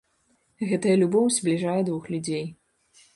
Гэтая любоў збліжае двух людзей.